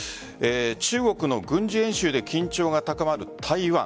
中国の軍事演習で緊張が高まる台湾。